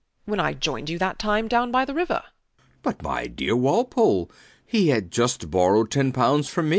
When I joined you that time down by the river. B. B. But, my dear Walpole, he had just borrowed ten pounds from me.